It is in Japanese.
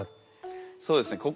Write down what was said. そうですね心